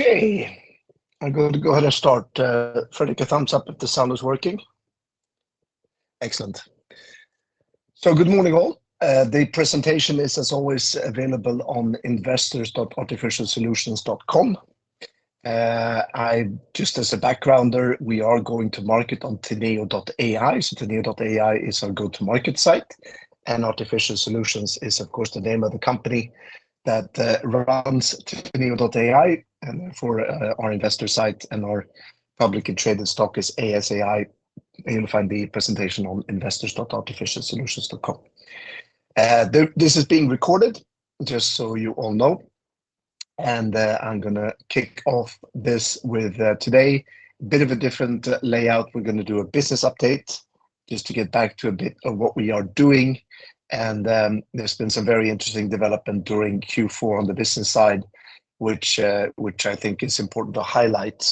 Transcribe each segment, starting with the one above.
Okay, I'm going to go ahead and start. Fredrik, a thumbs up if the sound is working. Excellent. So good morning, all. The presentation is, as always, available on investors.artificialsolutions.com. Just as a backgrounder, we are going to market on Teneo.ai. So Teneo.ai is our go-to-market site, and Artificial Solutions is, of course, the name of the company that runs Teneo.ai. And for our investor site and our public and traded stock is ASAI. You'll find the presentation on investors.artificialsolutions.com. This is being recorded, just so you all know. And I'm gonna kick off this with today, a bit of a different layout. We're gonna do a business update just to get back to a bit of what we are doing. There's been some very interesting development during Q4 on the business side, which, which I think is important to highlight.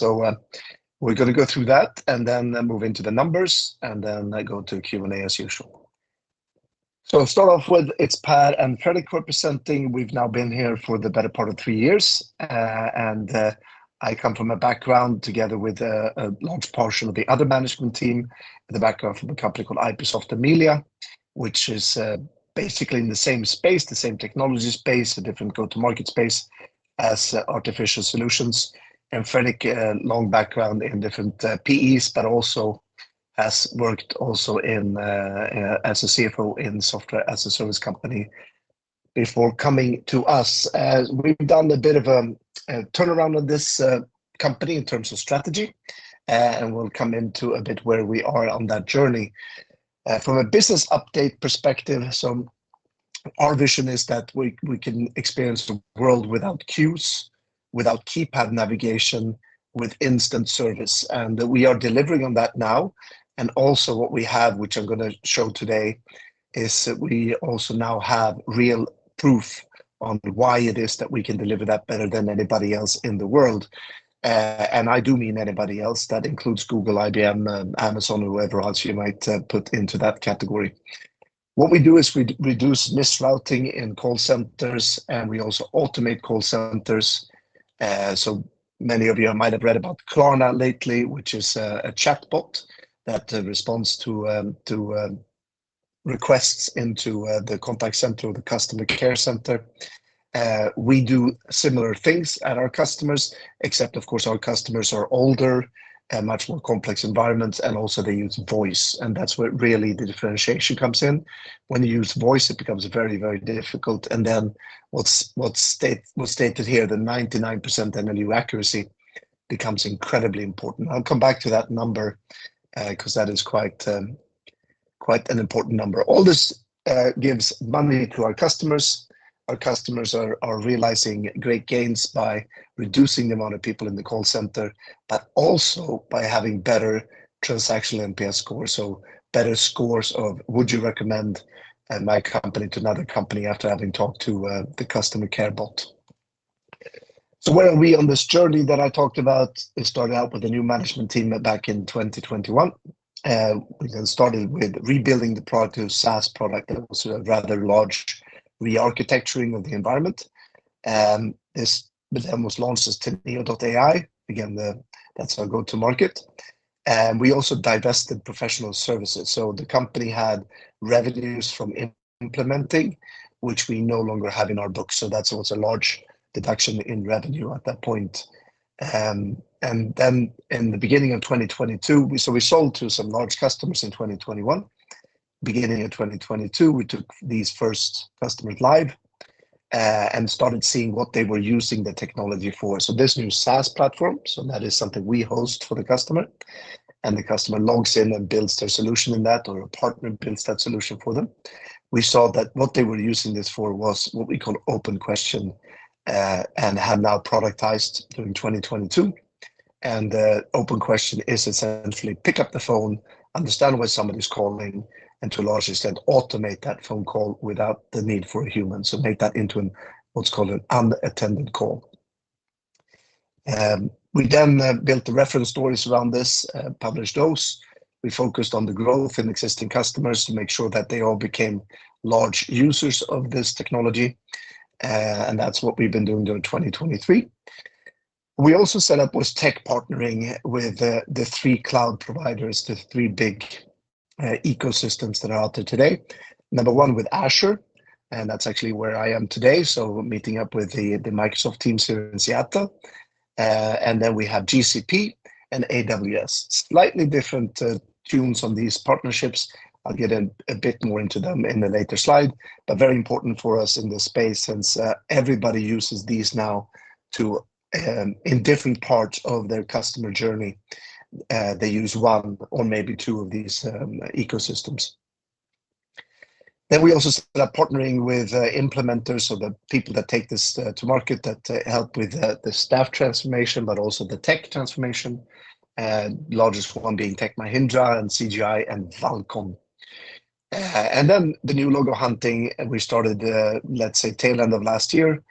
We're gonna go through that, and then move into the numbers, and then I go to Q&A as usual. To start off with, it's Per and Fredrik representing. We've now been here for the better part of three years. And, I come from a background, together with a large portion of the other management team, the background from a company called IPsoft Amelia, which is basically in the same space, the same technology space, a different go-to-market space as Artificial Solutions. And Fredrik, a long background in different PEs, but also has worked in as a CFO in software as a service company before coming to us. We've done a bit of a turnaround of this company in terms of strategy, and we'll come into a bit where we are on that journey. From a business update perspective, so our vision is that we, we can experience the world without queues, without keypad navigation, with instant service, and we are delivering on that now. And also what we have, which I'm gonna show today, is that we also now have real proof on why it is that we can deliver that better than anybody else in the world. And I do mean anybody else. That includes Google, IBM, Amazon, or whoever else you might put into that category. What we do is we reduce misrouting in call centers, and we also automate call centers. So many of you might have read about Klarna lately, which is a, a chatbot that responds to, to, requests into the contact center or the customer care center. We do similar things at our customers, except of course, our customers are older and much more complex environments, and also they use voice, and that's where really the differentiation comes in. When you use voice, it becomes very, very difficult, and then what's stated here, the 99% NLU accuracy becomes incredibly important. I'll come back to that number, 'cause that is quite, quite an important number. All this gives money to our customers. Our customers are realizing great gains by reducing the amount of people in the call center, but also by having better transactional NPS scores, so better scores of, "Would you recommend my company to another company after having talked to the customer care bot?" So where are we on this journey that I talked about? It started out with a new management team back in 2021. We then started with rebuilding the product to a SaaS product. That was a rather large re-architecting of the environment, but then was launched as Teneo.ai. Again, that's our go-to-market. And we also divested professional services. So the company had revenues from implementing, which we no longer have in our books, so that's also a large deduction in revenue at that point. And then in the beginning of 2022, so we sold to some large customers in 2021. Beginning of 2022, we took these first customers live, and started seeing what they were using the technology for. So this new SaaS platform, so that is something we host for the customer, and the customer logs in and builds their solution in that, or a partner builds that solution for them. We saw that what they were using this for was what we call OpenQuestion, and have now productized during 2022. And the OpenQuestion is essentially, pick up the phone, understand why somebody's calling, and to a large extent, automate that phone call without the need for a human, so make that into an, what's called an unattended call. We then built the reference stories around this, published those. We focused on the growth in existing customers to make sure that they all became large users of this technology, and that's what we've been doing during 2023. We also set up with tech partnering with the three cloud providers, the three big ecosystems that are out there today. Number one, with Azure, and that's actually where I am today, so we're meeting up with the Microsoft team here in Seattle. And then we have GCP and AWS. Slightly different tunes on these partnerships. I'll get in a bit more into them in a later slide, but very important for us in this space, since everybody uses these now to in different parts of their customer journey, they use one or maybe two of these ecosystems. Then we also started partnering with implementers, so the people that take this to market, that help with the staff transformation, but also the tech transformation, largest one being Tech Mahindra and CGI and Valcon. And then the new logo hunting, we started, let's say, tail end of last year.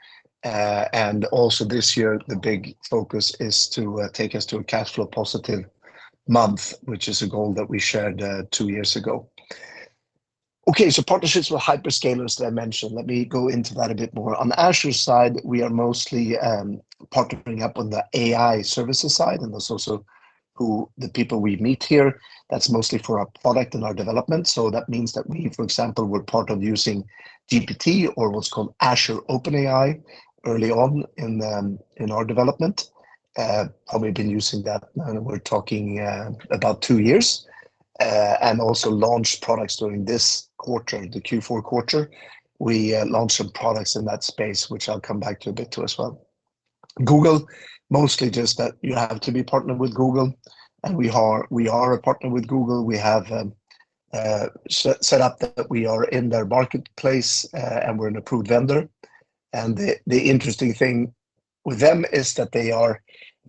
And also this year, the big focus is to take us to a cash flow positive month, which is a goal that we shared two years ago. Okay, so partnerships with hyperscalers that I mentioned, let me go into that a bit more. On the Azure side, we are mostly partnering up on the AI services side, and that's also who the people we meet here. That's mostly for our product and our development. So that means that we, for example, were part of using GPT or what's called Azure OpenAI early on in our development. And we've been using that, and we're talking about two years, and also launched products during this quarter, the Q4 quarter. We launched some products in that space, which I'll come back to a bit, too, as well. Google, mostly just that you have to be partnered with Google, and we are, we are a partner with Google. We have set up that we are in their marketplace, and we're an approved vendor. The interesting thing with them is that they are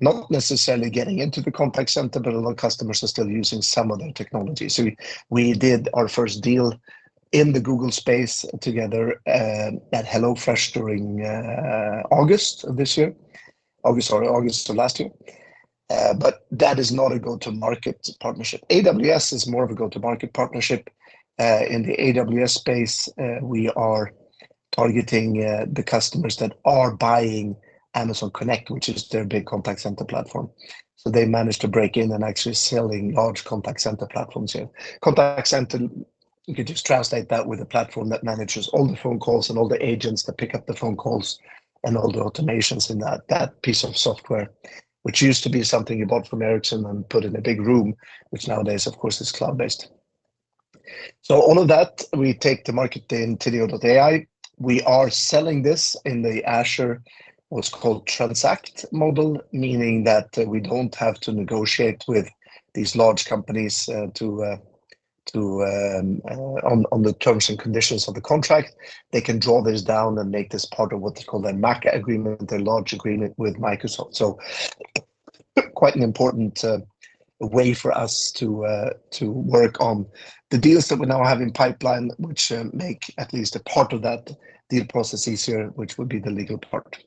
not necessarily getting into the contact center, but a lot of customers are still using some of their technology. So we did our first deal in the Google space together at HelloFresh during August of this year. August, or August of last year. But that is not a go-to-market partnership. AWS is more of a go-to-market partnership. In the AWS space, we are targeting the customers that are buying Amazon Connect, which is their big contact center platform. So they managed to break in and actually selling large contact center platforms here. Contact center, you could just translate that with a platform that manages all the phone calls and all the agents that pick up the phone calls and all the automations in that piece of software, which used to be something you bought from Ericsson and put in a big room, which nowadays, of course, is cloud-based. So all of that, we take to market in Teneo.ai. We are selling this in the Azure, what's called transact model, meaning that we don't have to negotiate with these large companies, to on the terms and conditions of the contract. They can draw this down and make this part of what they call their MACC agreement, their large agreement with Microsoft. So quite an important way for us to work on the deals that we now have in pipeline, which make at least a part of that deal process easier, which would be the legal part.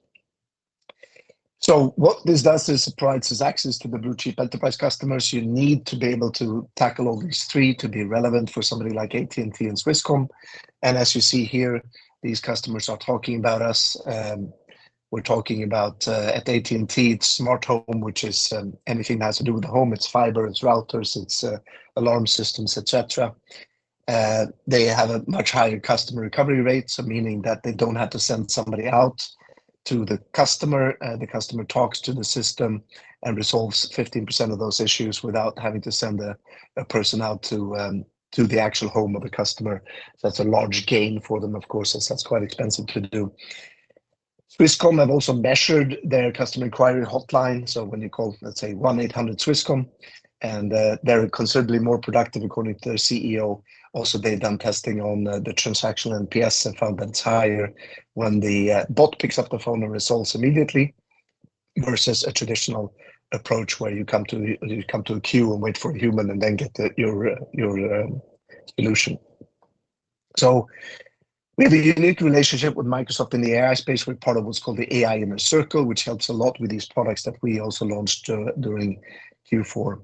So what this does is it provides us access to the blue-chip enterprise customers. You need to be able to tackle all these three to be relevant for somebody like AT&T and Swisscom. And as you see here, these customers are talking about us. We're talking about at AT&T, it's Smart Home, which is anything that has to do with the home. It's fiber, it's routers, it's alarm systems, et cetera. They have a much higher customer recovery rate, so meaning that they don't have to send somebody out to the customer. The customer talks to the system and resolves 15% of those issues without having to send a person out to the actual home of the customer. That's a large gain for them, of course, as that's quite expensive to do. Swisscom have also measured their customer inquiry hotline, so when you call, let's say, 1-800 Swisscom, and they're considerably more productive, according to their CEO. Also, they've done testing on the transaction NPS and found that it's higher when the bot picks up the phone and resolves immediately, versus a traditional approach, where you come to the queue and wait for a human and then get your solution. So we have a unique relationship with Microsoft in the AI space. We're part of what's called the AI Inner Circle, which helps a lot with these products that we also launched during Q4.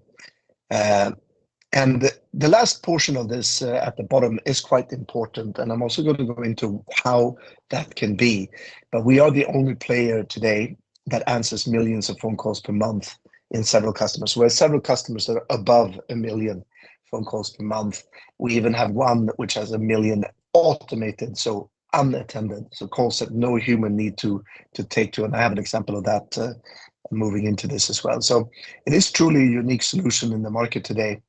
And the last portion of this at the bottom is quite important, and I'm also going to go into how that can be. But we are the only player today that answers millions of phone calls per month in several customers. We have several customers that are above a million phone calls per month. We even have one which has a million automated, so unattended, so calls that no human need to take, and I have an example of that moving into this as well. So it is truly a unique solution in the market today,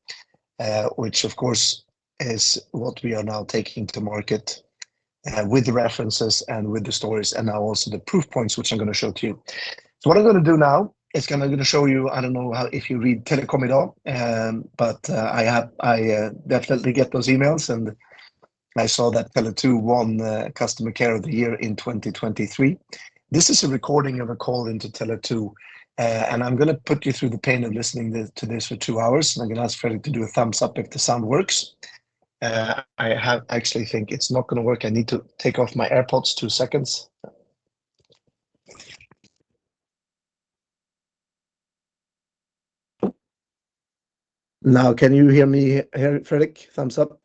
which, of course, is what we are now taking to market with the references and with the stories, and now also the proof points, which I'm gonna show to you. So what I'm gonna do now is I'm gonna show you. I don't know how if you read Telekom idag, but I definitely get those emails, and I saw that Tele2 won Customer Care of the Year in 2023. This is a recording of a call into Tele2, and I'm gonna put you through the pain of listening to this for two hours, and I'm gonna ask Fredrik to do a thumbs up if the sound works. I actually think it's not gonna work. I need to take off my AirPods. Two seconds. Now, can you hear me, Fredrik? Thumbs up.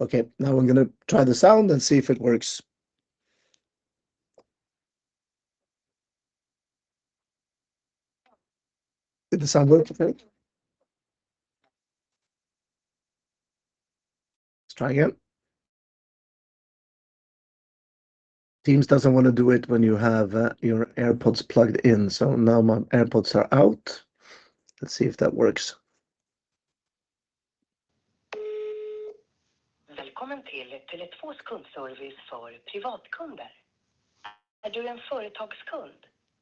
Okay, now I'm gonna try the sound and see if it works. Did the sound work, Fredrik? Let's try again. Teams doesn't wanna do it when you have your AirPods plugged in, so now my AirPods are out. Let's see if that works. Welcome to Tele2 customer service for private customers. Are you a business customer?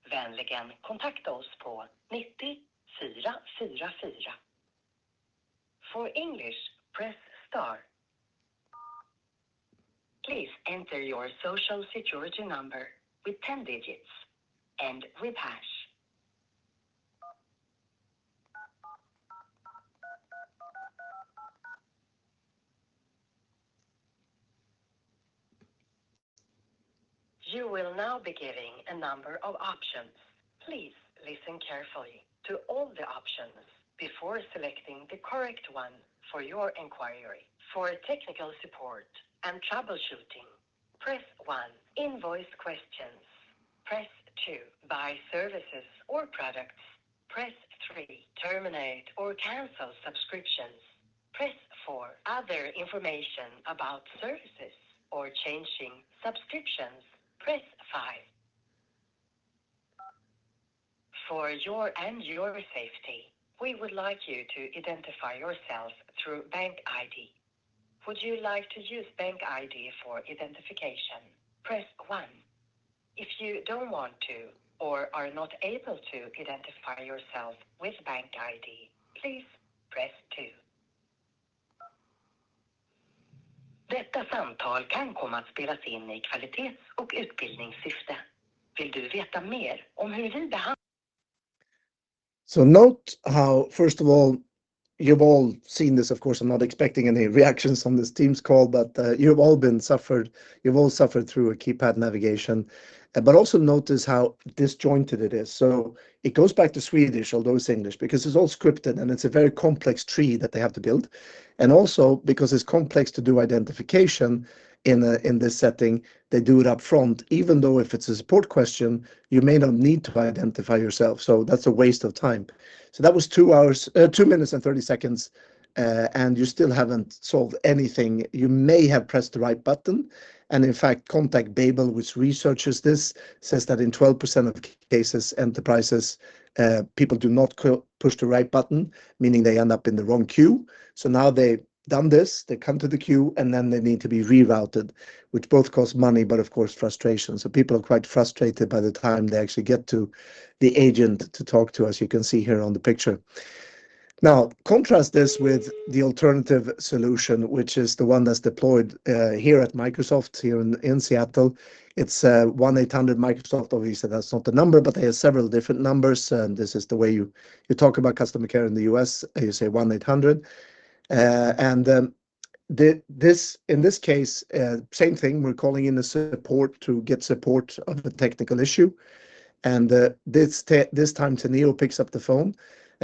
Please contact us at 94, 4, 4. For English, press star. Please enter your social security number with 10 digits and with hash. You will now be given a number of options. Please listen carefully to all the options before selecting the correct one for your inquiry. For technical support and troubleshooting, press one. Invoice questions, press two. Buy services or products, press three. Terminate or cancel subscriptions, press four. Other information about services or changing subscriptions, press five. For your and your safety, we would like you to identify yourself through BankID. Would you like to use BankID for identification? Press one. If you don't want to or are not able to identify yourself with BankID, please press two. So note how, first of all, you've all seen this, of course, I'm not expecting any reactions on this team's call, but, you've all suffered through a keypad navigation. But also notice how disjointed it is. So it goes back to Swedish, although it's English, because it's all scripted, and it's a very complex tree that they have to build. And also because it's complex to do identification in a, in this setting, they do it upfront, even though if it's a support question, you may not need to identify yourself, so that's a waste of time. So that was 2 minutes and 30 seconds, and you still haven't solved anything. You may have pressed the right button, and in fact, ContactBabel, which researches this, says that in 12% of the cases, enterprises, people do not push the right button, meaning they end up in the wrong queue. So now they've done this, they come to the queue, and then they need to be rerouted, which both costs money, but of course, frustration. So people are quite frustrated by the time they actually get to the agent to talk to, as you can see here on the picture. Now, contrast this with the alternative solution, which is the one that's deployed here at Microsoft, here in Seattle. It's 1-800 Microsoft. Obviously, that's not the number, but they have several different numbers, and this is the way you talk about customer care in the US. You say 1-800. And then, this, in this case, same thing, we're calling in the support to get support of a technical issue. This time, Teneo picks up the phone.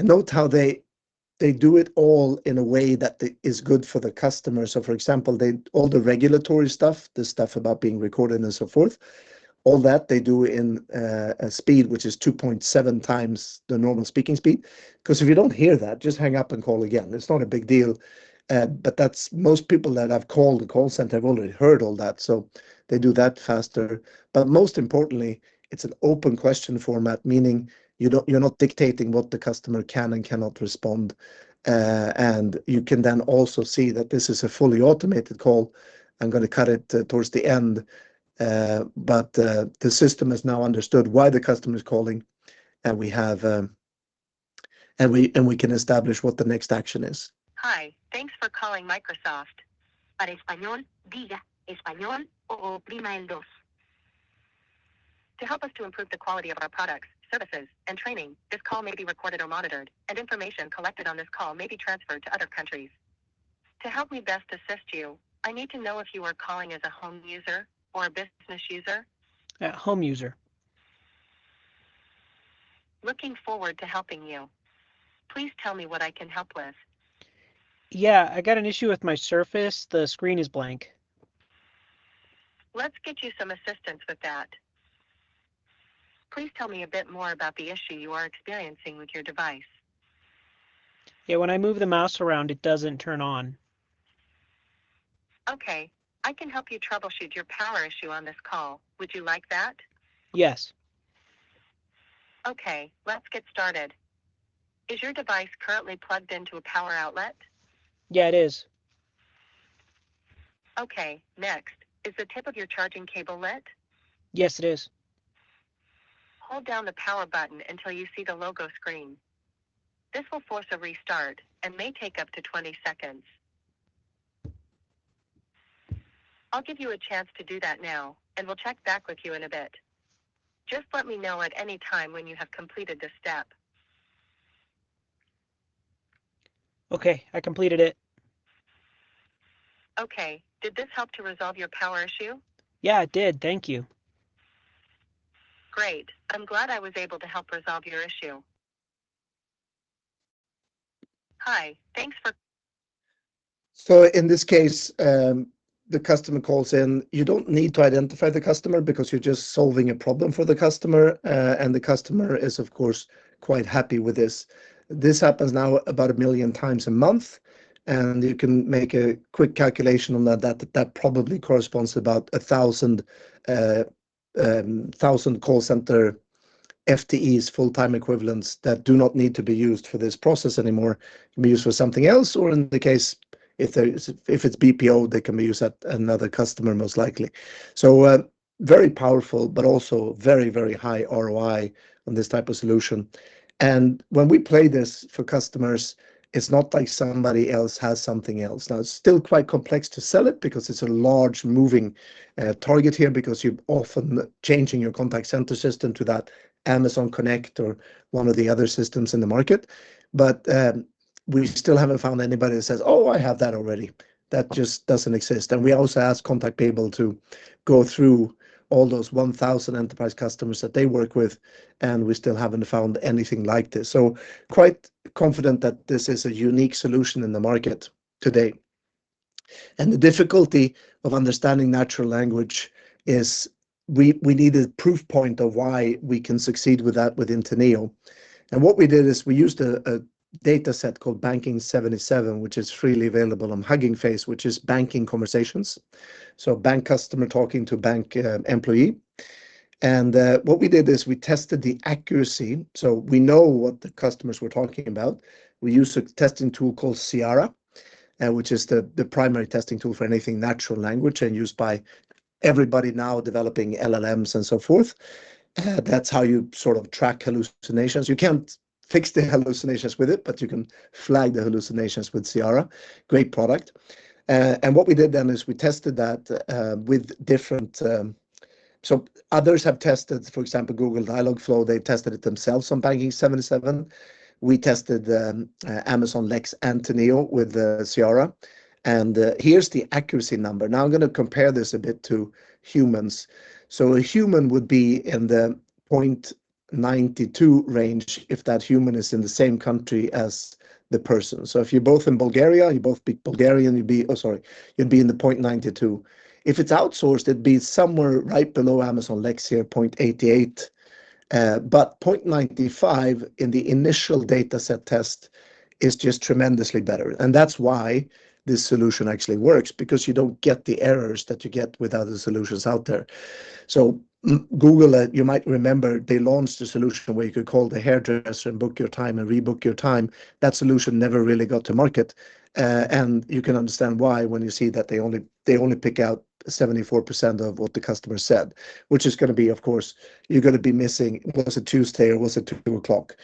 Note how they do it all in a way that is good for the customer. So, for example, they all the regulatory stuff, the stuff about being recorded and so forth, all that they do in a speed, which is 2.7 times the normal speaking speed. 'Cause if you don't hear that, just hang up and call again. It's not a big deal. But that's most people that have called the call center have already heard all that, so they do that faster. But most importantly, it's an OpenQuestion format, meaning you don't, you're not dictating what the customer can and cannot respond. You can then also see that this is a fully automated call. I'm gonna cut it towards the end, but the system has now understood why the customer is calling, and we can establish what the next action is. Hi, thanks for calling Microsoft. To help us to improve the quality of our products, services, and training, this call may be recorded or monitored, and information collected on this call may be transferred to other countries. To help me best assist you, I need to know if you are calling as a home user or a business user? A home user. Looking forward to helping you. Please tell me what I can help with. Yeah, I got an issue with my Surface. The screen is blank. Let's get you some assistance with that. Please tell me a bit more about the issue you are experiencing with your device. Yeah, when I move the mouse around, it doesn't turn on. Okay, I can help you troubleshoot your power issue on this call. Would you like that? Yes. Okay, let's get started. Is your device currently plugged into a power outlet? Yeah, it is. Okay, next, is the tip of your charging cable lit? Yes, it is. Hold down the power button until you see the logo screen. This will force a restart and may take up to 20 seconds. I'll give you a chance to do that now, and we'll check back with you in a bit. Just let me know at any time when you have completed this step. Okay, I completed it. Okay, did this help to resolve your power issue? Yeah, it did. Thank you. Great! I'm glad I was able to help resolve your issue. Hi, thanks for. In this case, the customer calls in. You don't need to identify the customer because you're just solving a problem for the customer, and the customer is, of course, quite happy with this. This happens now about a million times a month, and you can make a quick calculation on that that probably corresponds to about 1,000 call center FTEs, full-time equivalents, that do not need to be used for this process anymore, can be used for something else, or in the case, if there is, if it's BPO, they can be used at another customer, most likely. Very powerful, but also very, very high ROI on this type of solution. When we play this for customers, it's not like somebody else has something else. Now, it's still quite complex to sell it because it's a large moving target here, because you're often changing your contact center system to that Amazon Connect or one of the other systems in the market. But we still haven't found anybody that says, "Oh, I have that already." That just doesn't exist. And we also ask contact people to go through all those 1,000 enterprise customers that they work with, and we still haven't found anything like this. So quite confident that this is a unique solution in the market today. And the difficulty of understanding natural language is we, we need a proof point of why we can succeed with that within Teneo. What we did is we used a data set called Banking77, which is freely available on Hugging Face, which is banking conversations, so bank customer talking to a bank employee. What we did is we tested the accuracy, so we know what the customers were talking about. We used a testing tool called Cyara, which is the primary testing tool for anything natural language and used by everybody now developing LLMs and so forth. That's how you sort of track hallucinations. You can't fix the hallucinations with it, but you can flag the hallucinations with Cyara. Great product. What we did then is we tested that with different. So others have tested, for example, Google Dialogflow; they tested it themselves on Banking77. We tested Amazon Lex and Teneo with Cyara, and here's the accuracy number. Now, I'm gonna compare this a bit to humans. So a human would be in the 0.92 range if that human is in the same country as the person. So if you're both in Bulgaria, and you both speak Bulgarian, you'd be. Oh, sorry, you'd be in the 0.92. If it's outsourced, it'd be somewhere right below Amazon Lex here, 0.88. But 0.95 in the initial dataset test is just tremendously better, and that's why this solution actually works, because you don't get the errors that you get with other solutions out there. So Google, you might remember, they launched a solution where you could call the hairdresser and book your time and rebook your time. That solution never really got to market. And you can understand why, when you see that they only, they only pick out 74% of what the customer said, which is gonna be, of course, you're gonna be missing, was it Tuesday or was it two o'clock?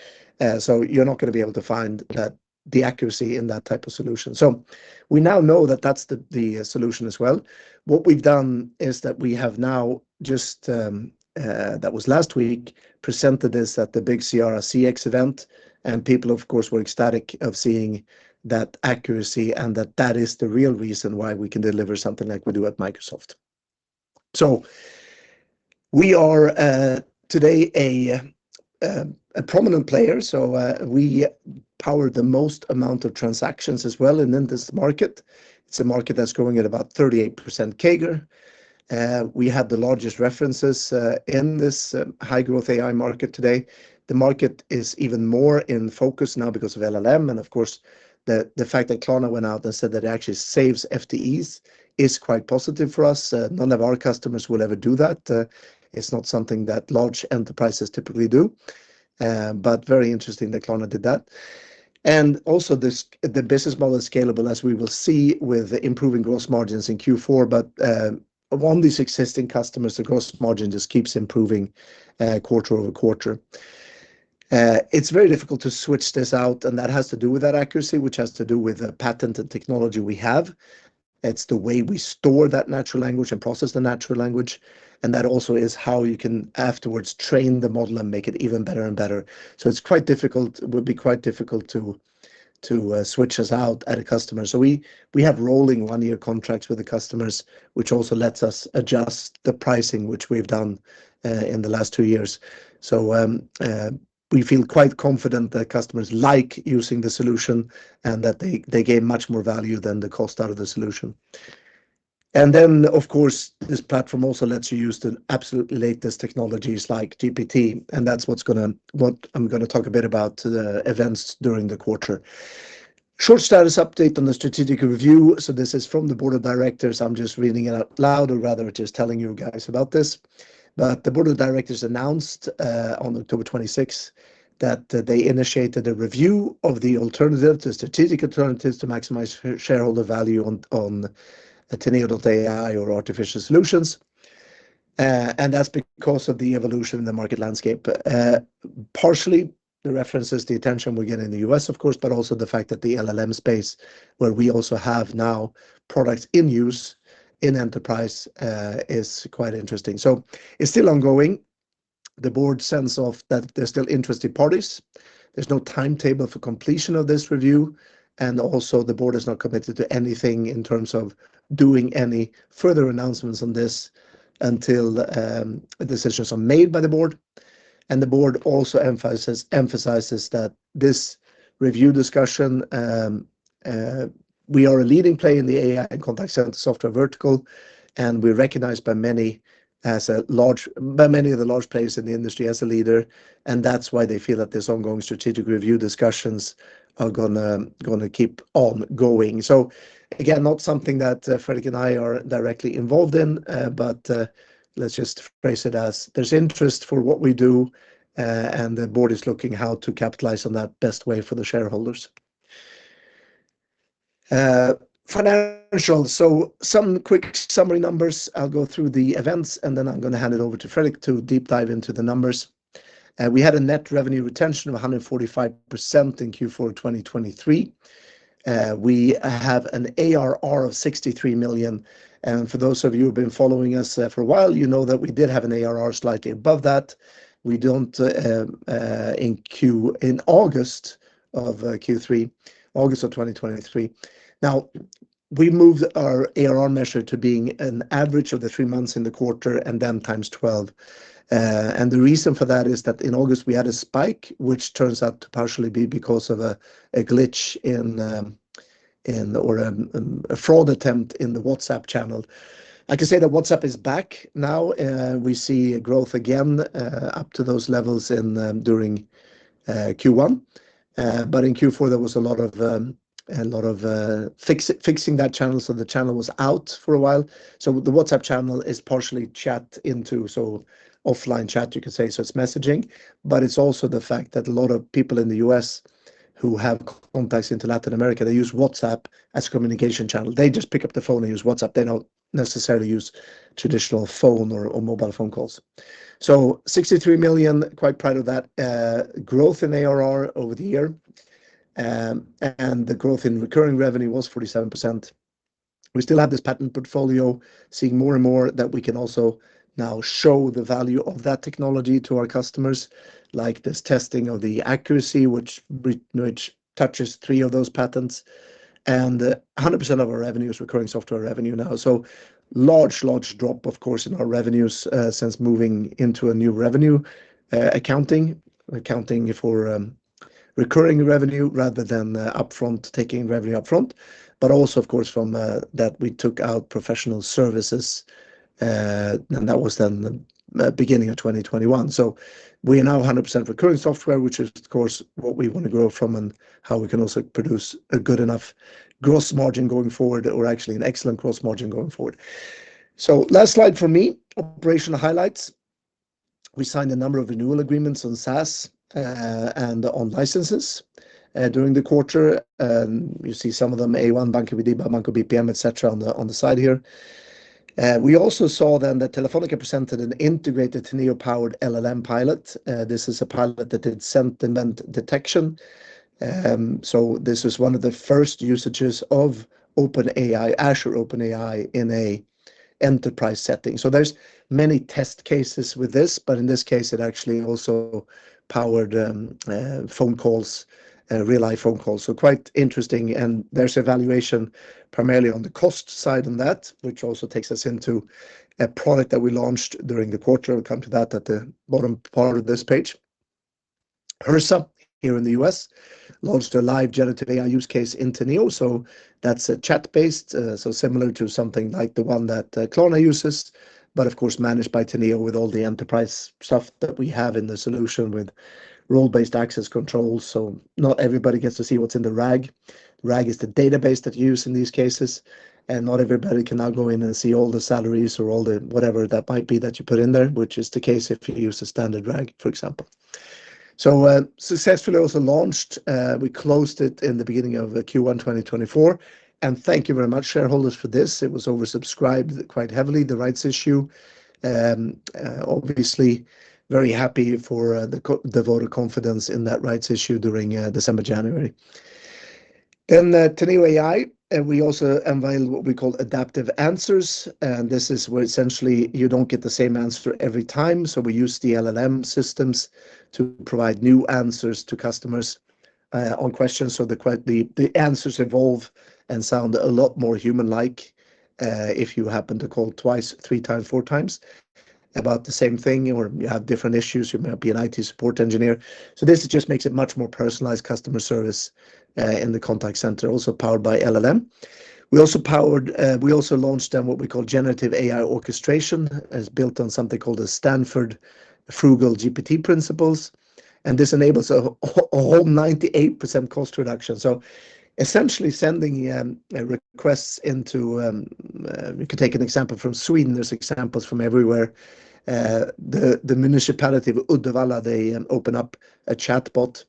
So you're not gonna be able to find that, the accuracy in that type of solution. So we now know that that's the, the solution as well. What we've done is that we have now just, that was last week, presented this at the big CRM CX event, and people, of course, were ecstatic of seeing that accuracy and that that is the real reason why we can deliver something like we do at Microsoft. So we are, today, a, a prominent player, so, we power the most amount of transactions as well in this market. It's a market that's growing at about 38% CAGR. We have the largest references in this high-growth AI market today. The market is even more in focus now because of LLM, and of course, the fact that Klarna went out and said that it actually saves FTEs is quite positive for us. None of our customers will ever do that. It's not something that large enterprises typically do, but very interesting that Klarna did that. And also, the business model is scalable, as we will see, with improving gross margins in Q4, but among these existing customers, the gross margin just keeps improving quarter-over-quarter. It's very difficult to switch this out, and that has to do with that accuracy, which has to do with the patented technology we have. It's the way we store that natural language and process the natural language, and that also is how you can afterwards train the model and make it even better and better. So it's quite difficult, it would be quite difficult to switch us out at a customer. So we have rolling one-year contracts with the customers, which also lets us adjust the pricing, which we've done in the last two years. So we feel quite confident that customers like using the solution and that they gain much more value than the cost out of the solution. And then, of course, this platform also lets you use the absolute latest technologies like GPT, and that's what's gonna, what I'm gonna talk a bit about, the events during the quarter. Short status update on the strategic review. So this is from the board of directors. I'm just reading it out loud, or rather, just telling you guys about this. But the board of directors announced on October 26th that they initiated a review of the alternative, the strategic alternatives, to maximize shareholder value on Teneo.ai or Artificial Solutions. And that's because of the evolution in the market landscape. Partially, the references, the attention we get in the U.S., of course, but also the fact that the LLM space, where we also have now products in use in enterprise, is quite interesting. So it's still ongoing. The board senses that there's still interested parties. There's no timetable for completion of this review, and also, the board is not committed to anything in terms of doing any further announcements on this until decisions are made by the board. The board also emphasizes, emphasizes that this review discussion. We are a leading player in the AI and contact center software vertical, and we're recognized by many of the large players in the industry as a leader, and that's why they feel that this ongoing strategic review discussions are gonna keep on going. So again, not something that Fredrik and I are directly involved in, but let's just phrase it as there's interest for what we do, and the board is looking how to capitalize on that best way for the shareholders. Financial. Some quick summary numbers. I'll go through the events, and then I'm gonna hand it over to Fredrik to deep dive into the numbers. We had a net revenue retention of 145% in Q4 2023. We have an ARR of 63 million, and for those of you who've been following us, for a while, you know that we did have an ARR slightly above that. We don't, in Q in August of, Q3, August of 2023. Now, we moved our ARR measure to being an average of the three months in the quarter, and then times 12. And the reason for that is that in August, we had a spike, which turns out to partially be because of a, a glitch in, in, or, a fraud attempt in the WhatsApp channel. I can say that WhatsApp is back now, we see growth again, up to those levels in, during, Q1. But in Q4, there was a lot of fixing that channel, so the channel was out for a while. So the WhatsApp channel is partially chat into, so offline chat, you could say, so it's messaging, but it's also the fact that a lot of people in the US who have contacts into Latin America, they use WhatsApp as a communication channel. They just pick up the phone and use WhatsApp. They don't necessarily use traditional phone or mobile phone calls. So 63 million, quite proud of that growth in ARR over the year. And the growth in recurring revenue was 47%. We still have this patent portfolio, seeing more and more that we can also now show the value of that technology to our customers, like this testing of the accuracy, which touches three of those patents, and 100% of our revenue is recurring software revenue now. So large, large drop, of course, in our revenues, since moving into a new revenue accounting for recurring revenue rather than upfront, taking revenue upfront, but also, of course, from that we took out professional services, and that was then the beginning of 2021. So we are now 100% recurring software, which is, of course, what we wanna grow from and how we can also produce a good enough gross margin going forward, or actually an excellent gross margin going forward. So last slide for me, operational highlights. We signed a number of annual agreements on SaaS, and on licenses, during the quarter, you see some of them, A1, BankID, Banco BPM, et cetera, on the side here. We also saw then that Telefónica presented an integrated Teneo-powered LLM pilot. This is a pilot that did sentiment detection. So this is one of the first usages of OpenAI, Azure OpenAI, in a enterprise setting. So there's many test cases with this, but in this case, it actually also powered phone calls, real-life phone calls, so quite interesting. And there's evaluation primarily on the cost side on that, which also takes us into a product that we launched during the quarter. We'll come to that at the bottom part of this page. HRSA, here in the US, launched a live generative AI use case in Teneo, so that's a chat-based, so similar to something like the one that Klarna uses, but of course, managed by Teneo with all the enterprise stuff that we have in the solution with role-based access controls, so not everybody gets to see what's in the RAG. RAG is the database that you use in these cases, and not everybody can now go in and see all the salaries or all the whatever that might be that you put in there, which is the case if you use a standard RAG, for example. So, successfully also launched, we closed it in the beginning of the Q1 2024, and thank you very much, shareholders, for this. It was oversubscribed quite heavily, the rights issue. Obviously, very happy for the voters' confidence in that rights issue during December, January. Then, Teneo.ai, we also unveiled what we call Adaptive Answers, and this is where essentially you don't get the same answer every time. So we use the LLM systems to provide new answers to customers on questions. So the answers evolve and sound a lot more human-like if you happen to call twice, three times, four times about the same thing, or you have different issues, you might be an IT support engineer. So this just makes it much more personalized customer service in the contact center, also powered by LLM. We also launched then what we call Generative AI Orchestration. It's built on something called the Stanford FrugalGPT Principles, and this enables a whole 98% cost reduction. So essentially sending a request into. You could take an example from Sweden. There's examples from everywhere. The Municipality of Uddevalla, they opened up a chatbot,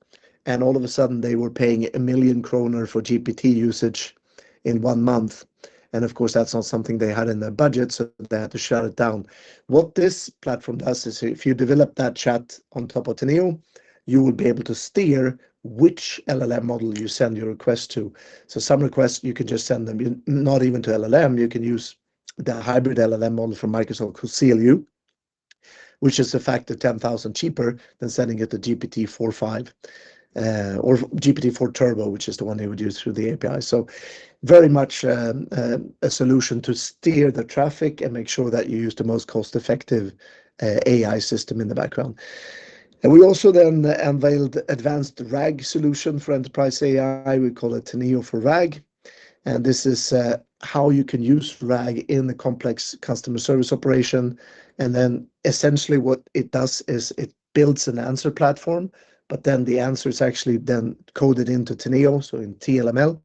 and all of a sudden, they were paying 1 million kronor for GPT usage in one month. And of course, that's not something they had in their budget, so they had to shut it down. What this platform does is if you develop that chat on top of Teneo, you will be able to steer which LLM model you send your request to. So some requests, you can just send them in, not even to LLM, you can use the hybrid LLM model from Microsoft CLU, which is in fact, 10,000 cheaper than sending it to GPT-4.5, or GPT-4 Turbo, which is the one they would use through the API. So very much, a solution to steer the traffic and make sure that you use the most cost-effective, AI system in the background. And we also then unveiled the advanced RAG solution for enterprise AI. We call it Teneo for RAG, and this is, how you can use RAG in a complex customer service operation. And then, essentially, what it does is it builds an answer platform, but then the answer is actually then coded into Teneo, so in TLML,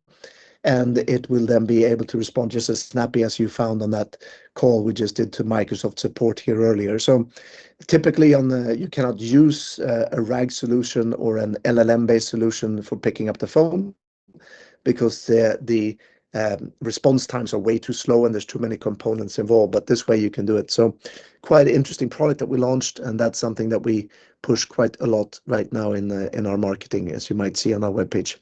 and it will then be able to respond just as snappy as you found on that call we just did to Microsoft Support here earlier. So typically, on the, you cannot use a RAG solution or an LLM-based solution for picking up the phone because the response times are way too slow, and there's too many components involved, but this way you can do it. So quite an interesting product that we launched, and that's something that we push quite a lot right now in the, in our marketing, as you might see on our webpage.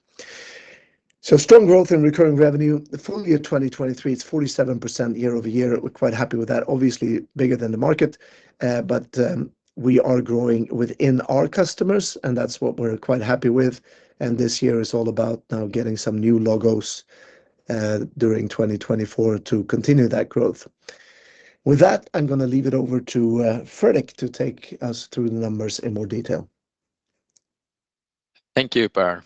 So strong growth in recurring revenue, the full year 2023, it's 47% year-over-year. We're quite happy with that. Obviously, bigger than the market, but we are growing within our customers, and that's what we're quite happy with. And this year is all about now getting some new logos during 2024 to continue that growth. With that, I'm gonna leave it over to Fredrik to take us through the numbers in more detail. Thank you, Per.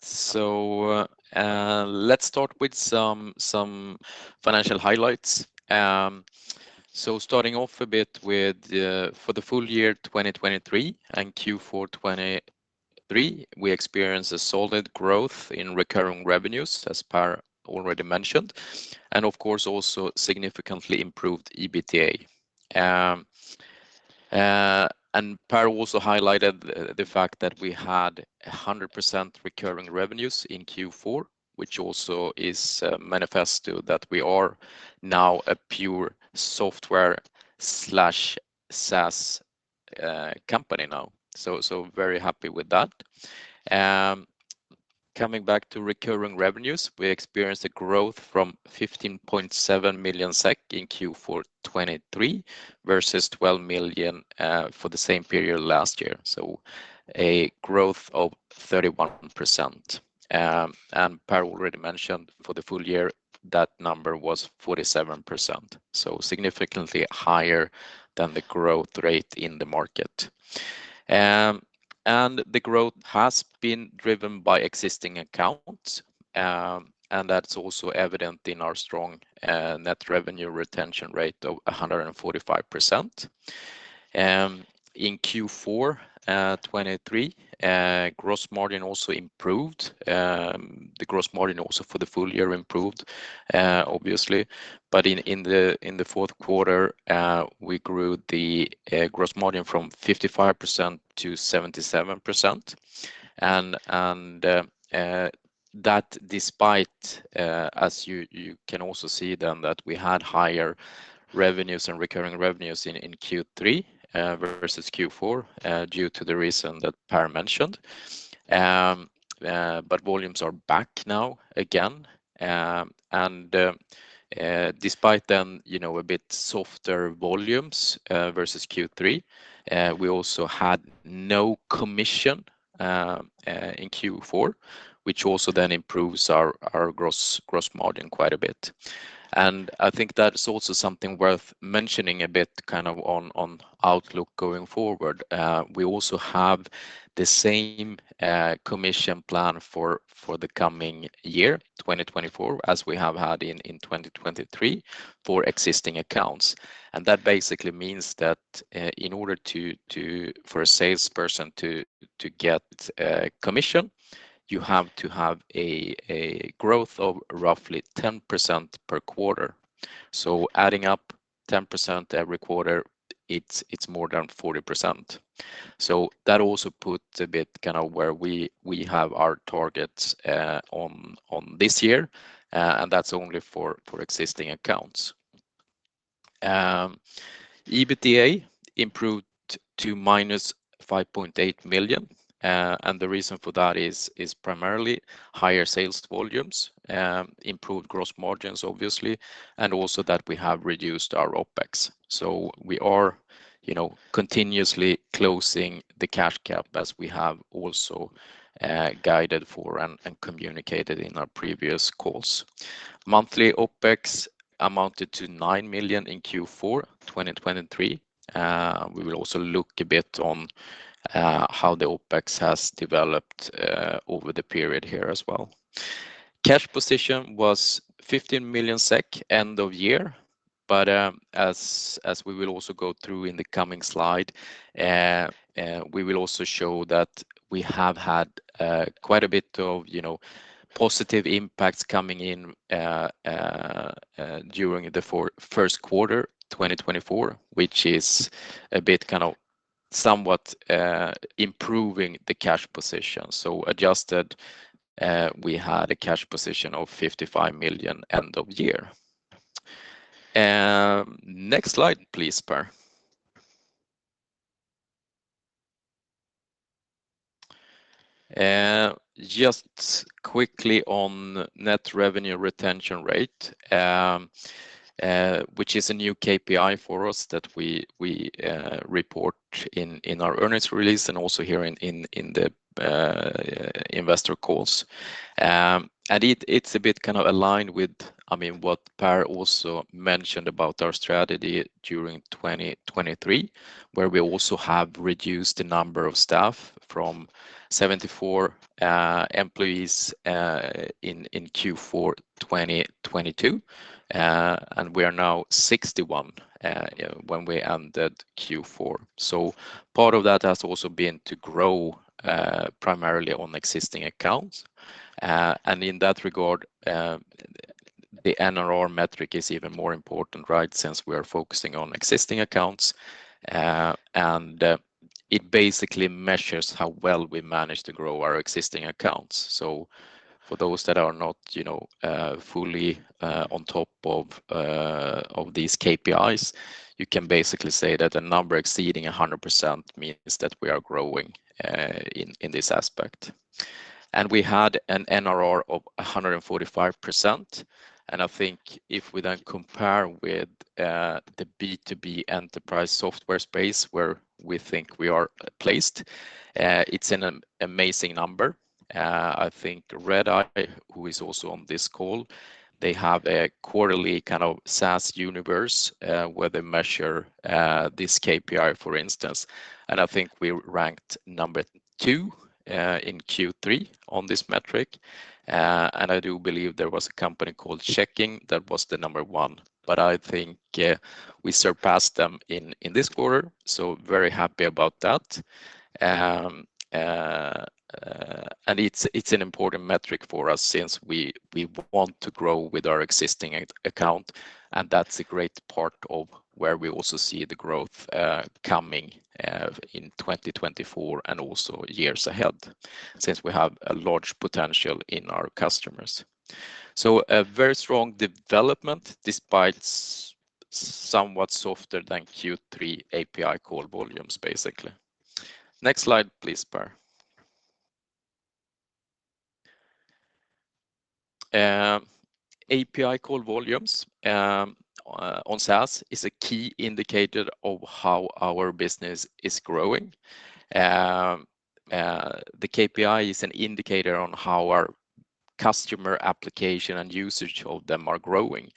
So let's start with some financial highlights. So starting off a bit with for the full year 2023 and Q4 2023, we experienced a solid growth in recurring revenues, as Per already mentioned, and of course, also significantly improved EBITDA. And Per also highlighted the fact that we had 100% recurring revenues in Q4, which also is manifestation that we are now a pure software/SaaS company. So very happy with that. Coming back to recurring revenues, we experienced a growth from 15.7 million SEK in Q4 2023, versus 12 million for the same period last year. So a growth of 31%. And Per already mentioned for the full year, that number was 47%, so significantly higher than the growth rate in the market. And the growth has been driven by existing accounts, and that's also evident in our strong net revenue retention rate of 145%. In Q4 2023, gross margin also improved. The gross margin also for the full year improved, obviously. But in the fourth quarter, we grew the gross margin from 55%-77%. And that despite, as you can also see then that we had higher revenues and recurring revenues in Q3 versus Q4, due to the reason that Per mentioned. But volumes are back now again. And, despite then, you know, a bit softer volumes versus Q3, we also had no commission in Q4, which also then improves our gross margin quite a bit. I think that is also something worth mentioning a bit, kind of on outlook going forward. We also have the same commission plan for the coming year, 2024, as we have had in 2023, for existing accounts. And that basically means that, in order to for a salesperson to get commission, you have to have a growth of roughly 10% per quarter. So adding up 10% every quarter, it's more than 40%. So that also puts a bit kinda where we, we have our targets, on, on this year, and that's only for, for existing accounts. EBITDA improved to -5.8 million, and the reason for that is, is primarily higher sales volumes, improved gross margins, obviously, and also that we have reduced our OpEx. So we are, you know, continuously closing the cash cap, as we have also, guided for and, and communicated in our previous calls. Monthly OpEx amounted to 9 million in Q4 2023. We will also look a bit on, how the OpEx has developed, over the period here as well. Cash position was 15 million SEK, end of year, but, as we will also go through in the coming slide, we will also show that we have had quite a bit of, you know, positive impacts coming in during the first quarter, 2024, which is a bit kind of somewhat improving the cash position. So adjusted, we had a cash position of 55 million, end of year. Next slide, please, Per. Just quickly on net revenue retention rate, which is a new KPI for us that we report in our earnings release and also here in the investor calls. And it's a bit kind of aligned with, I mean, what Per also mentioned about our strategy during 2023, where we also have reduced the number of staff from 74 employees in Q4 2022. And we are now 61 when we ended Q4. So part of that has also been to grow primarily on existing accounts. And in that regard, the NRR metric is even more important, right? Since we are focusing on existing accounts, and it basically measures how well we manage to grow our existing accounts. So for those that are not, you know, fully on top of these KPIs, you can basically say that a number exceeding 100% means that we are growing in this aspect. We had an NRR of 145%. I think if we then compare with the B2B enterprise software space, where we think we are placed, it's an amazing number. I think Redeye, who is also on this call, they have a quarterly kind of SaaS universe where they measure this KPI, for instance. I think we ranked number two in Q3 on this metric. I do believe there was a company called Checkin that was the number one, but I think we surpassed them in this quarter, so very happy about that. And it's an important metric for us since we want to grow with our existing account, and that's a great part of where we also see the growth coming in 2024 and also years ahead, since we have a large potential in our customers. So a very strong development, despite somewhat softer than Q3 API call volumes, basically. Next slide, please, Per. API call volumes on SaaS is a key indicator of how our business is growing. The KPI is an indicator on how our customer application and usage of them are growing.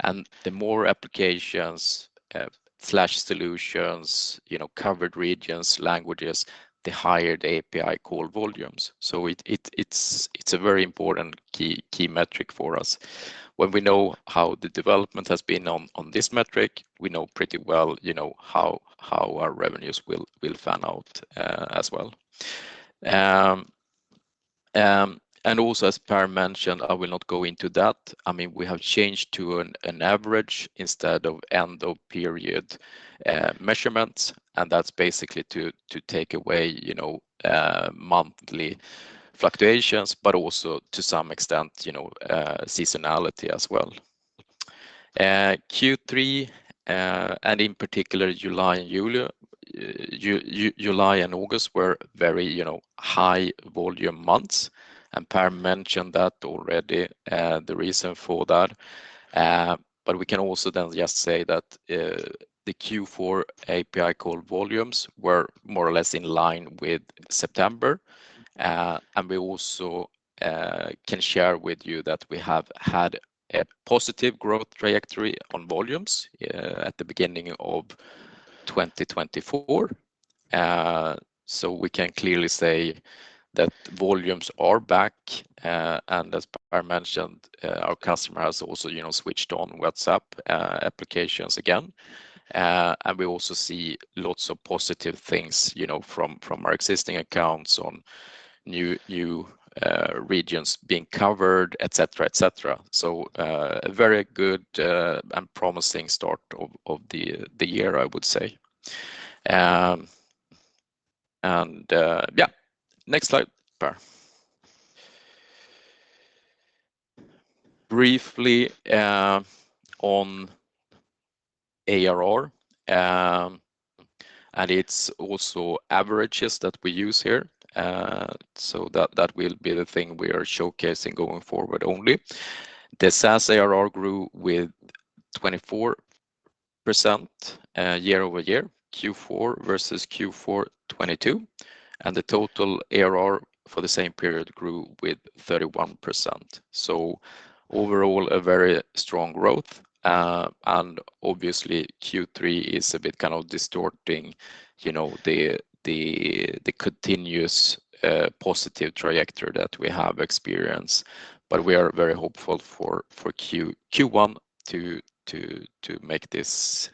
And the more applications slash solutions, you know, covered regions, languages, the higher the API call volumes. So it's a very important key metric for us. When we know how the development has been on this metric, we know pretty well, you know, how our revenues will pan out as well. And also, as Per mentioned, I will not go into that. I mean, we have changed to an average instead of end-of-period measurements, and that's basically to take away, you know, monthly fluctuations, but also to some extent, you know, seasonality as well. Q3 and in particular, July and August were very, you know, high volume months, and Per mentioned that already the reason for that. But we can also then just say that the Q4 API call volumes were more or less in line with September. And we also can share with you that we have had a positive growth trajectory on volumes at the beginning of 2024. So we can clearly say that volumes are back. And as Per mentioned, our customer has also, you know, switched on WhatsApp applications again. And we also see lots of positive things, you know, from our existing accounts on new regions being covered, et cetera, et cetera. So a very good and promising start of the year, I would say. And yeah, next slide, Per. Briefly on ARR, and it's also averages that we use here. So that will be the thing we are showcasing going forward only. The SaaS ARR grew with 24%, year-over-year, Q4 versus Q4 2022, and the total ARR for the same period grew with 31%. So overall, a very strong growth. And obviously, Q3 is a bit kind of distorting, you know, the continuous positive trajectory that we have experienced. But we are very hopeful for Q1 to make this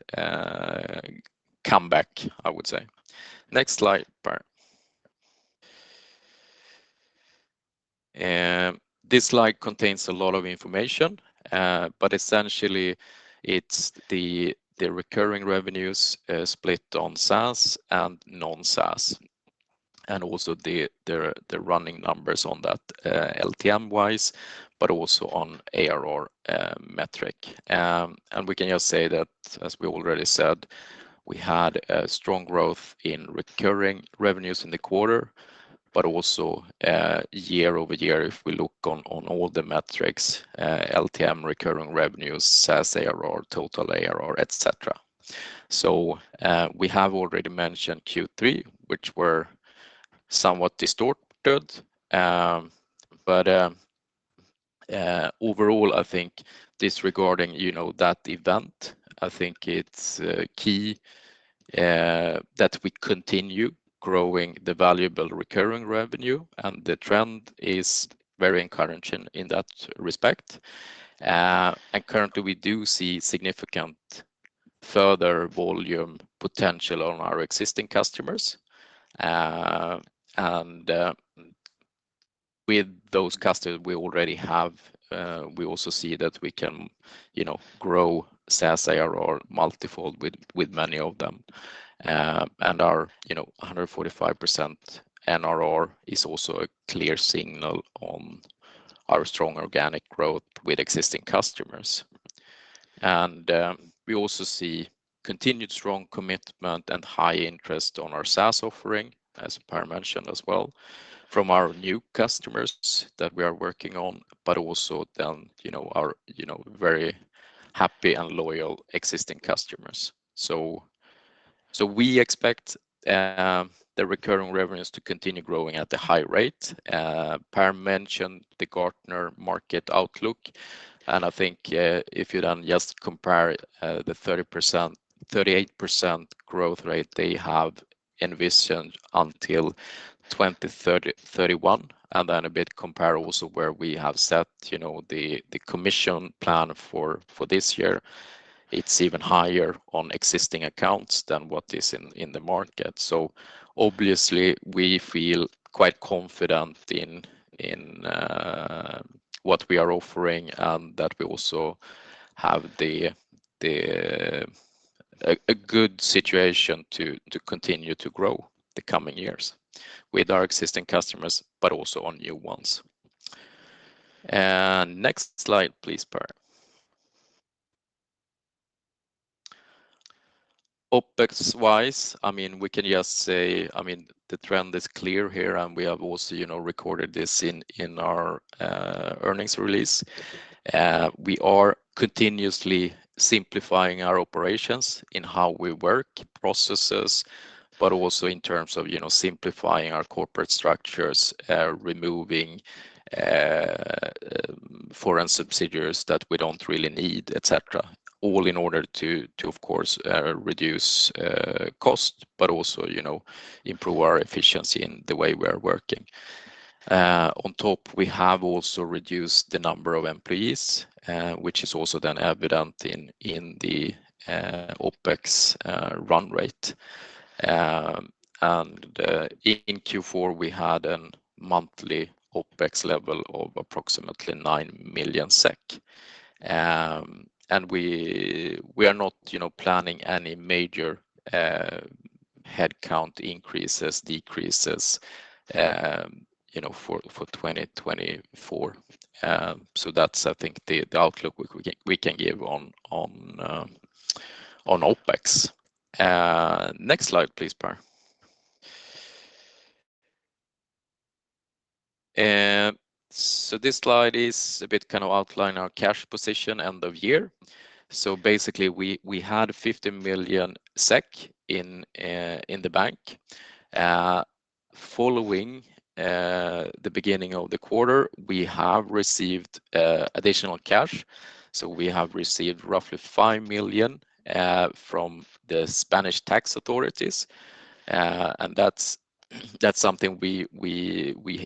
comeback, I would say. Next slide, Per. This slide contains a lot of information, but essentially, it's the recurring revenues split on SaaS and non-SaaS, and also the running numbers on that, LTM-wise, but also on ARR metric. And we can just say that, as we already said, we had a strong growth in recurring revenues in the quarter, but also, year over year, if we look on all the metrics, LTM, recurring revenues, SaaS ARR, total ARR, et cetera. So, we have already mentioned Q3, which were somewhat distorted. But, overall, I think disregarding, you know, that event, I think it's key, that we continue growing the valuable recurring revenue, and the trend is very encouraging in that respect. And currently, we do see significant further volume potential on our existing customers. And, with those customers we already have, we also see that we can, you know, grow SaaS ARR multifold with many of them. And our, you know, 145% NRR is also a clear signal on. Our strong organic growth with existing customers. And, we also see continued strong commitment and high interest on our SaaS offering, as Per mentioned as well, from our new customers that we are working on, but also then, you know, our, you know, very happy and loyal existing customers. So, we expect, the recurring revenues to continue growing at a high rate. Per mentioned the Gartner market outlook, and I think, if you then just compare, the 30%, 38% growth rate they have envisioned until 2030, 2031, and then a bit compare also where we have set, you know, the commission plan for this year, it's even higher on existing accounts than what is in the market. So obviously, we feel quite confident in what we are offering, and that we also have a good situation to continue to grow the coming years with our existing customers, but also on new ones. And next slide, please, Per. OpEx-wise, I mean, we can just say. I mean, the trend is clear here, and we have also, you know, recorded this in our earnings release. We are continuously simplifying our operations in how we work, processes, but also in terms of, you know, simplifying our corporate structures, removing foreign subsidiaries that we don't really need, et cetera. All in order to, of course, reduce cost, but also, you know, improve our efficiency in the way we are working. On top, we have also reduced the number of employees, which is also then evident in the OpEx run rate. In Q4, we had a monthly OpEx level of approximately 9 million SEK. And we are not, you know, planning any major headcount increases, decreases, you know, for 2024. So that's, I think, the outlook we can give on OpEx. Next slide, please, Per. So this slide is a bit kind of outline our cash position end of year. So basically, we had 50 million SEK in the bank. Following the beginning of the quarter, we have received additional cash. So we have received roughly 5 million from the Spanish tax authorities. And that's something we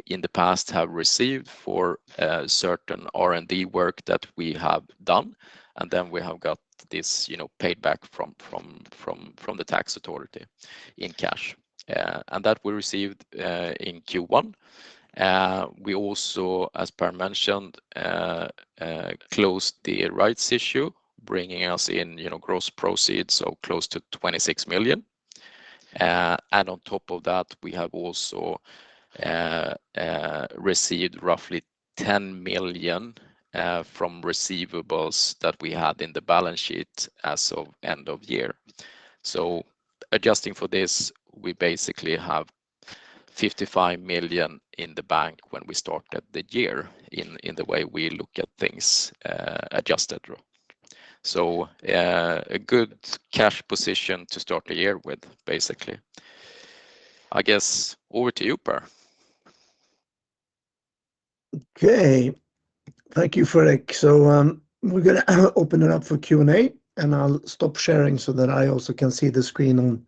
in the past have received for certain R&D work that we have done, and then we have got this, you know, paid back from the tax authority in cash. And that we received in Q1. We also, as Per mentioned, closed the rights issue, bringing us in, you know, gross proceeds, so close to 26 million. And on top of that, we have also received roughly 10 million from receivables that we had in the balance sheet as of end of year. So adjusting for this, we basically have 55 million in the bank when we started the year, in the way we look at things, adjusted. So, a good cash position to start the year with, basically. I guess, over to you, Per. Okay. Thank you, Fredrik. So, we're gonna open it up for Q&A, and I'll stop sharing so that I also can see the screen on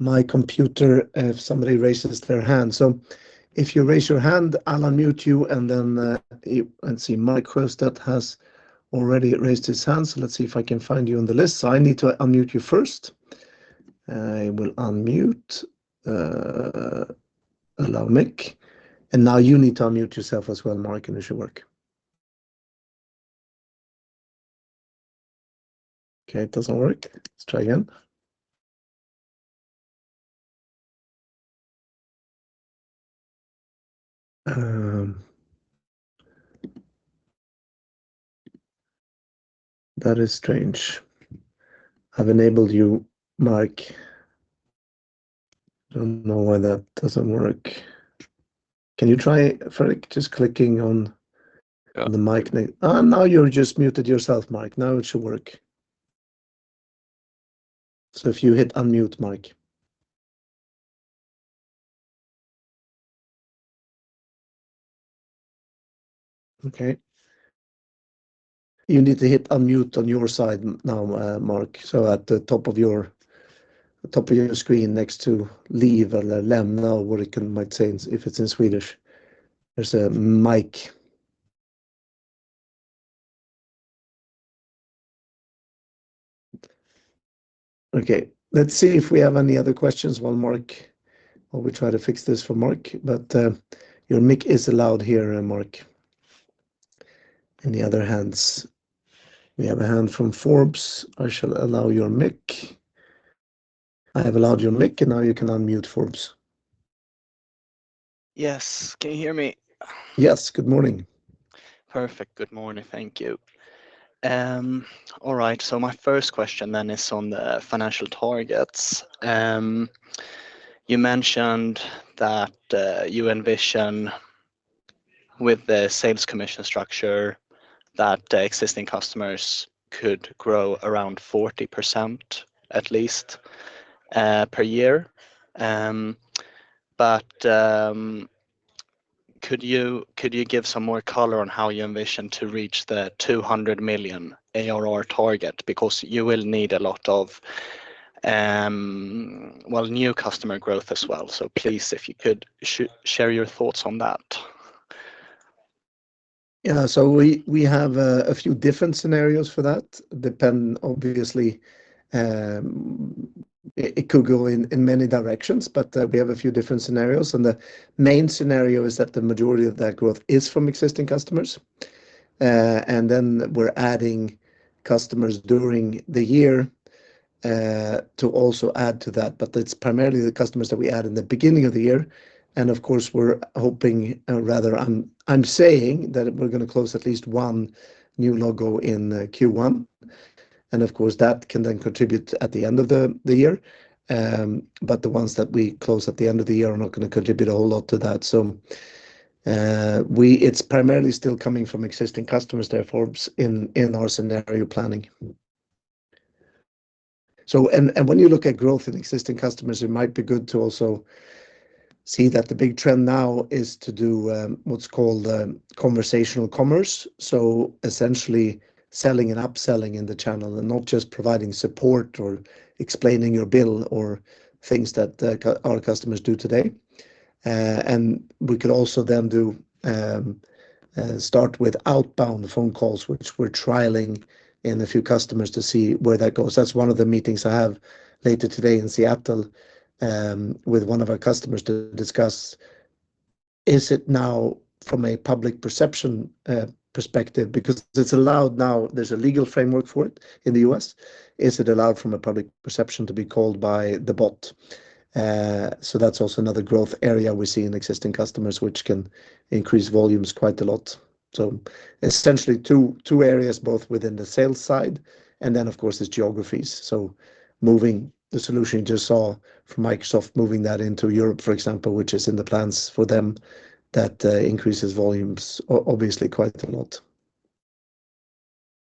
my computer if somebody raises their hand. So if you raise your hand, I'll unmute you, and then I see Mark Kroestadt has already raised his hand, so let's see if I can find you on the list. So I need to unmute you first. I will unmute, allow mic, and now you need to unmute yourself as well, Mark, and it should work. Okay, it doesn't work. Let's try again. That is strange. I've enabled you, Mark. I don't know why that doesn't work. Can you try, Fredrik, just clicking on. Yeah. On the mic name? Ah, now you're just muted yourself, Mark. Now it should work. So if you hit unmute, Mark. Okay. You need to hit unmute on your side now, Mark, so at the top of your, top of your screen, next to leave or lämna or what it can, might say if it's in Swedish. There's a mic. Okay, let's see if we have any other questions while Mark. While we try to fix this for Mark, but your mic is allowed here, Mark. Any other hands? We have a hand from Forbes. I shall allow your mic. I have allowed you on mic, and now you can unmute, Forbes. Yes. Can you hear me? Yes, good morning. Perfect. Good morning. Thank you. All right, so my first question then is on the financial targets. You mentioned that, you envision with the sales commission structure that existing customers could grow around 40%, at least, per year. But, could you, could you give some more color on how you envision to reach the 200 million ARR target? Because you will need a lot of, well, new customer growth as well. So please, if you could share your thoughts on that. Yeah. So we have a few different scenarios for that. Depends, obviously, it could go in many directions, but we have a few different scenarios. And the main scenario is that the majority of that growth is from existing customers. And then we're adding customers during the year to also add to that, but it's primarily the customers that we add in the beginning of the year. And of course, we're hoping, or rather I'm saying that we're gonna close at least one new logo in Q1. And of course, that can then contribute at the end of the year. But the ones that we close at the end of the year are not gonna contribute a whole lot to that. So it's primarily still coming from existing customers, therefore, in our scenario planning. When you look at growth in existing customers, it might be good to also see that the big trend now is to do what's called conversational commerce. So essentially selling and upselling in the channel and not just providing support or explaining your bill or things that our customers do today. And we could also then do start with outbound phone calls, which we're trialing in a few customers to see where that goes. That's one of the meetings I have later today in Seattle with one of our customers to discuss, is it now from a public perception perspective? Because it's allowed now, there's a legal framework for it in the U.S. Is it allowed from a public perception to be called by the bot? So that's also another growth area we see in existing customers, which can increase volumes quite a lot. So essentially, two areas, both within the sales side, and then, of course, there's geographies. So moving the solution you just saw from Microsoft, moving that into Europe, for example, which is in the plans for them, that increases volumes obviously quite a lot.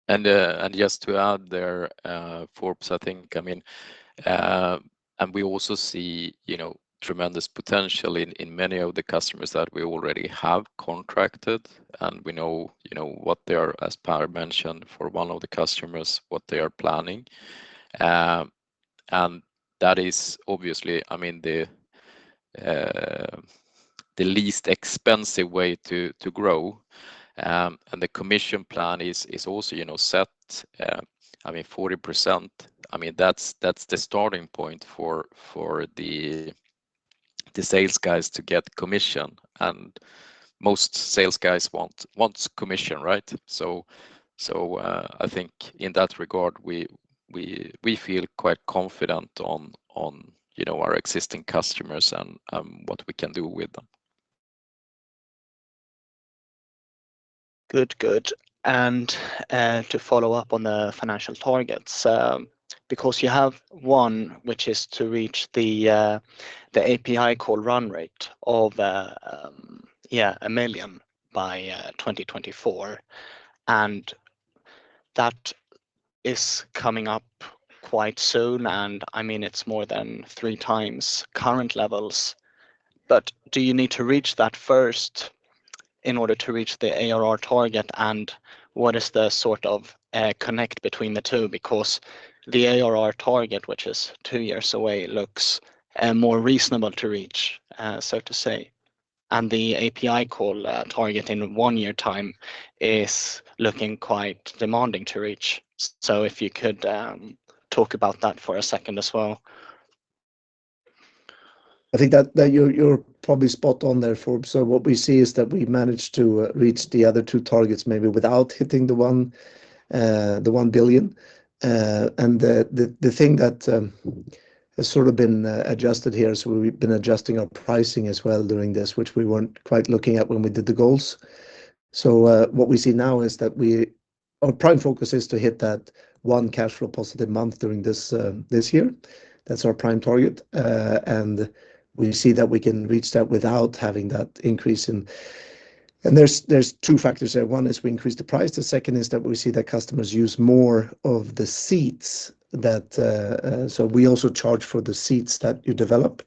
And just to add there, Forbes, I think, I mean, and we also see, you know, tremendous potential in many of the customers that we already have contracted, and we know, you know, what they are, as Pär mentioned, for one of the customers, what they are planning. That is obviously, I mean, the least expensive way to grow. The commission plan is also, you know, set, I mean, 40%. I mean, that's the starting point for the sales guys to get commission, and most sales guys want, wants commission, right? So, I think in that regard, we feel quite confident on our existing customers and what we can do with them. Good. Good. And to follow up on the financial targets, because you have one, which is to reach the API call run rate of a million by 2024, and that is coming up quite soon, and I mean, it's more than 3x current levels. But do you need to reach that first in order to reach the ARR target, and what is the sort of connect between the two? Because the ARR target, which is two years away, looks more reasonable to reach, so to say, and the API call target in one-year time is looking quite demanding to reach. So if you could talk about that for a second as well. I think that you're probably spot on there, Forbes. So what we see is that we managed to reach the other two targets, maybe without hitting the 1 billion. And the thing that has sort of been adjusted here, so we've been adjusting our pricing as well during this, which we weren't quite looking at when we did the goals. So, what we see now is that our prime focus is to hit that one cash flow positive month during this year. That's our prime target. And we see that we can reach that without having that increase in. And there's two factors there. One is we increase the price, the second is that we see that customers use more of the seats that. We also charge for the seats that you develop,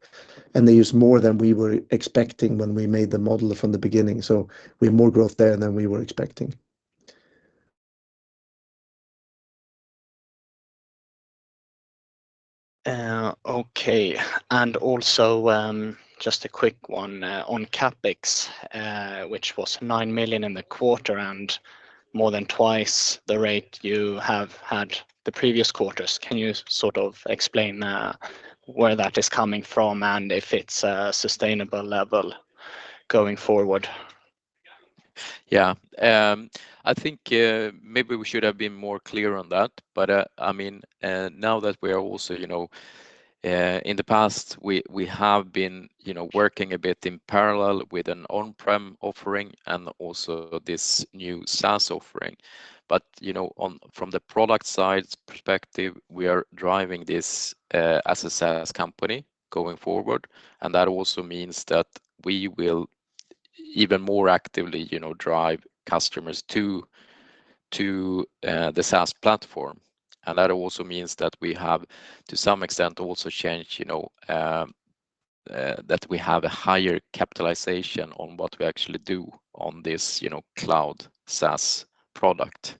and they use more than we were expecting when we made the model from the beginning. We have more growth there than we were expecting. Okay. And also, just a quick one, on CapEx, which was 9 million in the quarter and more than twice the rate you have had the previous quarters. Can you sort of explain, where that is coming from and if it's a sustainable level going forward? Yeah, I think, maybe we should have been more clear on that, but, I mean, now that we are also, you know, in the past, we have been, you know, working a bit in parallel with an on-prem offering and also this new SaaS offering. But, you know, on- from the product side perspective, we are driving this, as a SaaS company going forward, and that also means that we will even more actively, you know, drive customers to, uh, the SaaS platform. And that also means that we have, to some extent, also changed, you know, that we have a higher capitalization on what we actually do on this, you know, cloud SaaS product.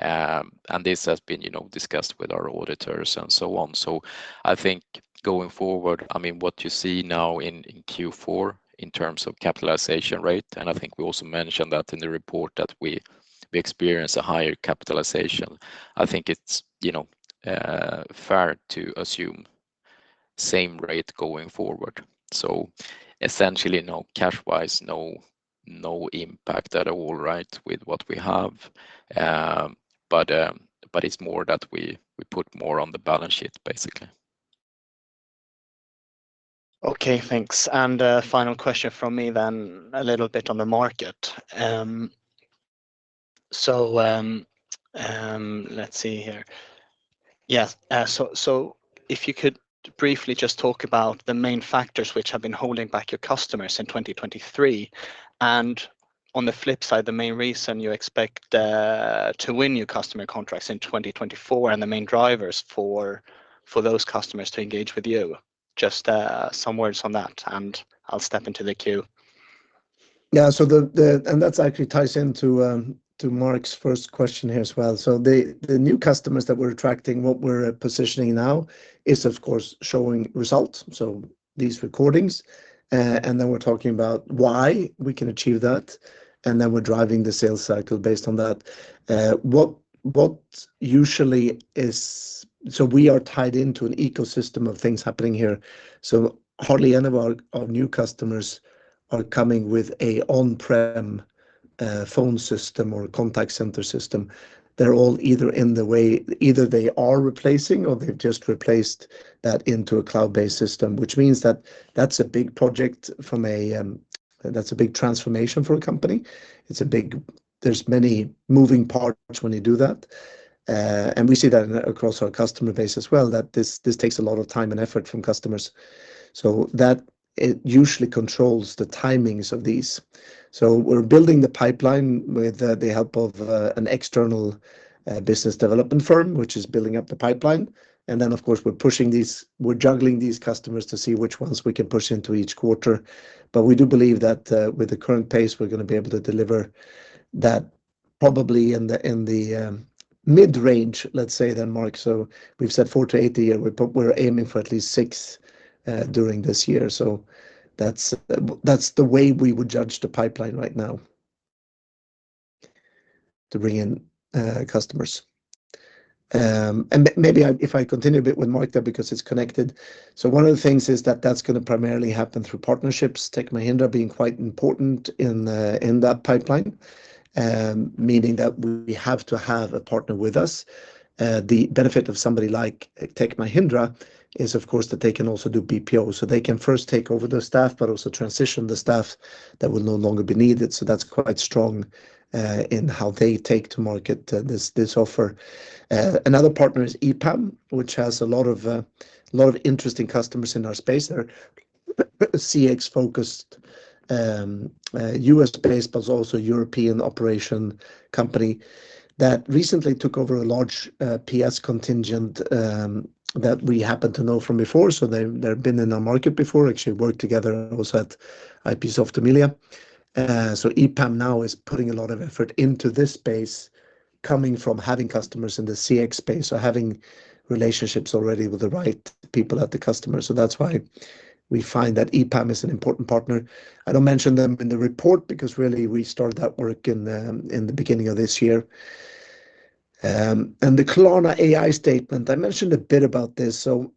And this has been, you know, discussed with our auditors and so on. So I think going forward, I mean, what you see now in Q4 in terms of capitalization rate, and I think we also mentioned that in the report, that we experience a higher capitalization. I think it's, you know, fair to assume same rate going forward. So essentially, no cash-wise, no impact at all, right, with what we have. But it's more that we put more on the balance sheet, basically. Okay, thanks. And, final question from me then, a little bit on the market. So, let's see here. Yeah, so, if you could briefly just talk about the main factors which have been holding back your customers in 2023, and on the flip side, the main reason you expect to win new customer contracts in 2024 and the main drivers for those customers to engage with you. Just, some words on that, and I'll step into the queue. Yeah. So. And that's actually ties into to Mark's first question here as well. So the new customers that we're attracting, what we're positioning now is, of course, showing results, so these recordings, and then we're talking about why we can achieve that, and then we're driving the sales cycle based on that. What usually is so we are tied into an ecosystem of things happening here. So hardly any of our new customers are coming with a on-prem phone system or a contact center system. They're all either they are replacing or they've just replaced that into a cloud-based system, which means that that's a big project from a, that's a big transformation for a company. It's a big, there's many moving parts when you do that, and we see that and across our customer base as well, that this, this takes a lot of time and effort from customers. So that, it usually controls the timings of these. So we're building the pipeline with, the help of, an external, business development firm, which is building up the pipeline. And then, of course, we're pushing these-- we're juggling these customers to see which ones we can push into each quarter. But we do believe that, with the current pace, we're gonna be able to deliver that probably in the, in the, mid-range, let's say then, Mark. So we've said 4-8 a year. We're we're aiming for at least six, during this year. So that's the way we would judge the pipeline right now to bring in customers. And maybe if I continue a bit with Mark there, because it's connected. So one of the things is that that's gonna primarily happen through partnerships, Tech Mahindra being quite important in that pipeline, meaning that we have to have a partner with us. The benefit of somebody like Tech Mahindra is, of course, that they can also do BPO. So they can first take over the staff, but also transition the staff that will no longer be needed. So that's quite strong in how they take to market this offer. Another partner is EPAM, which has a lot of a lot of interesting customers in our space. They're CX-focused, US-based, but also European operation company that recently took over a large, PS contingent, that we happen to know from before. So they, they've been in our market before, actually worked together also at IPsoft Amelia. So EPAM now is putting a lot of effort into this space, coming from having customers in the CX space, so having relationships already with the right people at the customer. So that's why we find that EPAM is an important partner. I don't mention them in the report because really we started that work in, in the beginning of this year. And the Klarna AI statement, I mentioned a bit about this. So,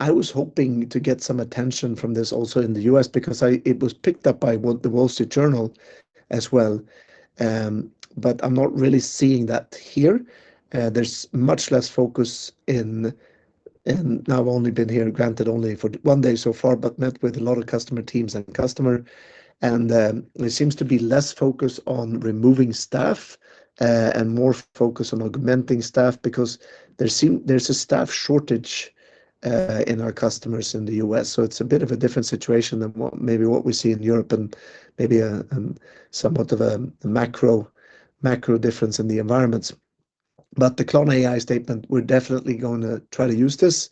I was hoping to get some attention from this also in the US, because I- it was picked up by Wall- The Wall Street Journal as well. But I'm not really seeing that here. There's much less focus in. I've only been here, granted, only for one day so far, but met with a lot of customer teams and customer, and it seems to be less focus on removing staff, and more focus on augmenting staff because there's a staff shortage in our customers in the U.S. So it's a bit of a different situation than what we see in Europe and maybe somewhat of a macro difference in the environments. But the Klarna AI statement, we're definitely going to try to use this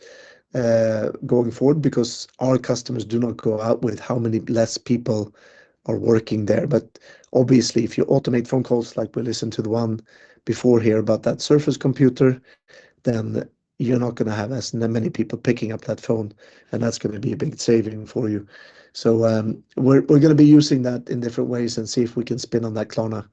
going forward because our customers do not go out with how many less people are working there. But obviously, if you automate phone calls, like we listened to the one before here about that Surface computer, then you're not gonna have as many people picking up that phone, and that's gonna be a big saving for you. So, we're gonna be using that in different ways and see if we can spin on that Klarna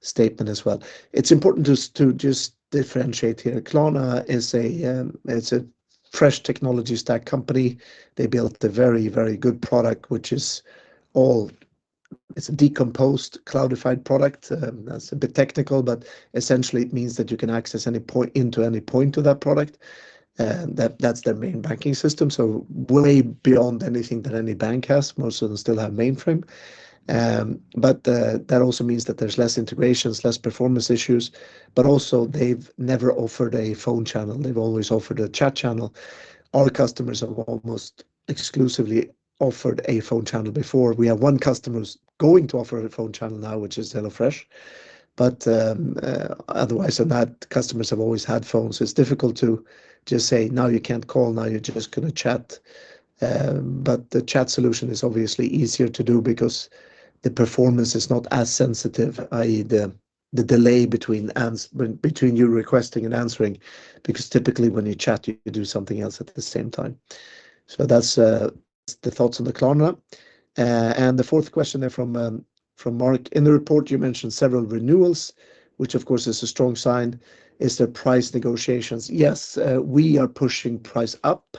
statement as well. It's important to just differentiate here. Klarna is a fresh technology stack company. They built a very, very good product, which is all, it's a decomposed cloudified product. That's a bit technical, but essentially it means that you can access any point into any point to that product, and that's their main banking system, so way beyond anything that any bank has. Most of them still have mainframe. But, that also means that there's less integrations, less performance issues, but also they've never offered a phone channel. They've always offered a chat channel. All customers have almost exclusively offered a phone channel before. We have one customer who's going to offer a phone channel now, which is HelloFresh. But, otherwise than that, customers have always had phones. It's difficult to just say, "Now you can't call, now you're just gonna chat." But the chat solution is obviously easier to do because the performance is not as sensitive, i.e., the delay between you requesting and answering, because typically when you chat, you do something else at the same time. So that's the thoughts on the Klarna. And the fourth question there from from Mark: "In the report, you mentioned several renewals, which of course is a strong sign. Is there price negotiations?" Yes, we are pushing price up.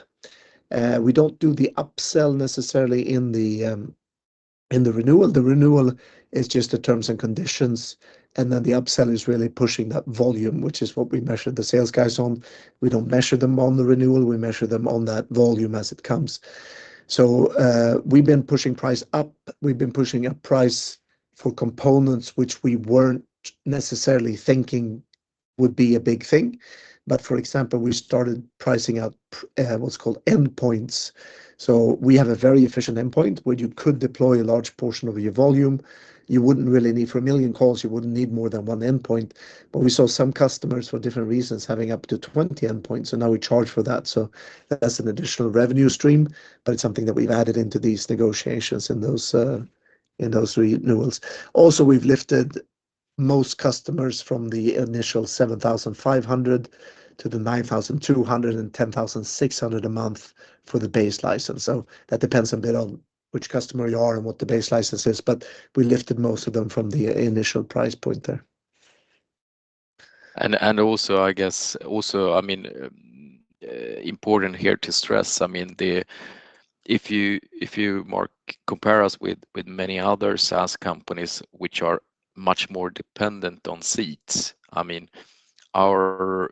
We don't do the upsell necessarily in the in the renewal. The renewal is just the terms and conditions, and then the upsell is really pushing that volume, which is what we measure the sales guys on. We don't measure them on the renewal, we measure them on that volume as it comes. So, we've been pushing price up. We've been pushing up price for components which we weren't necessarily thinking would be a big thing. But for example, we started pricing out, what's called endpoints. So we have a very efficient endpoint where you could deploy a large portion of your volume. You wouldn't really need. For a million calls, you wouldn't need more than one endpoint. But we saw some customers, for different reasons, having up to 20 endpoints, and now we charge for that. So that's an additional revenue stream, but it's something that we've added into these negotiations in those, in those renewals. Also, we've lifted most customers from the initial 7,500 to the 9,200 and 10,600 a month for the base license. So that depends a bit on which customer you are and what the base license is, but we lifted most of them from the initial price point there. I mean, important here to stress, I mean, the,. If you, Mark, compare us with many other SaaS companies, which are much more dependent on seats, I mean, our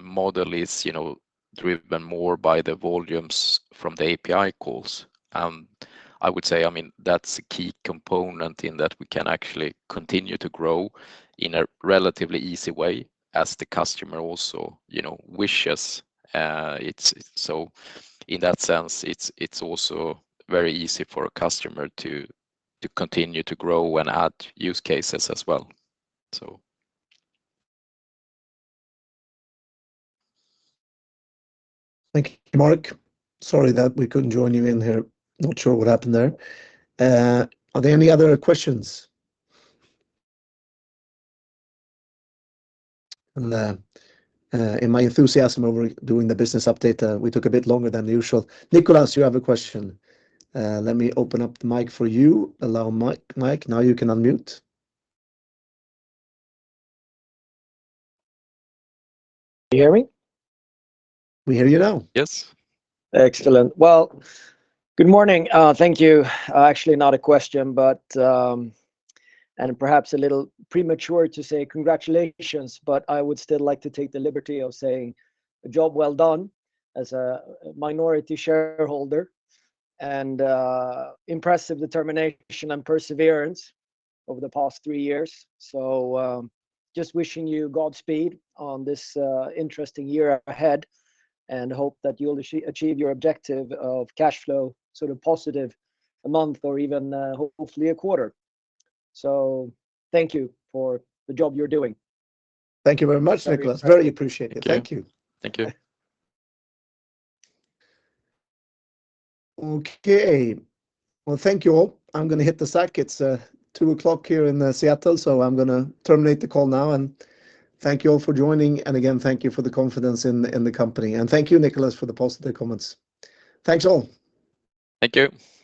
model is, you know, driven more by the volumes from the API calls. And I would say, I mean, that's a key component in that we can actually continue to grow in a relatively easy way as the customer also, you know, wishes. So in that sense, it's also very easy for a customer to continue to grow and add use cases as well. Thank you, Mark. Sorry that we couldn't join you in here. Not sure what happened there. Are there any other questions? And, in my enthusiasm over doing the business update, we took a bit longer than usual. Nicholas, you have a question. Let me open up the mic for you. Allow mic. Now you can unmute. You hear me? We hear you now. Yes. Excellent. Well, good morning. Thank you. Actually, not a question, but, and perhaps a little premature to say congratulations, but I would still like to take the liberty of saying a job well done as a minority shareholder, and, impressive determination and perseverance over the past three years. So, just wishing you God speed on this, interesting year ahead, and hope that you'll achieve your objective of cash flow sort of positive a month or even, hopefully, a quarter. So thank you for the job you're doing. Thank you very much, Nicholas. Very appreciated. Thank you. Thank you. Thank you. Okay, well, thank you all. I'm gonna hit the sack. It's 2:00 A.M. here in Seattle, so I'm gonna terminate the call now, and thank you all for joining. And again, thank you for the confidence in the company. And thank you, Nicholas, for the positive comments. Thanks, all. Thank you. Bye.